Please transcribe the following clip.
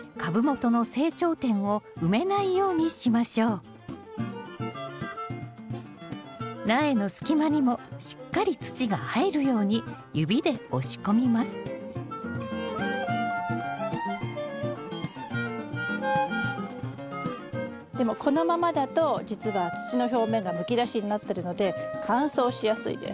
土を入れる際には苗の隙間にもしっかり土が入るように指で押し込みますでもこのままだとじつは土の表面がむき出しになってるので乾燥しやすいです。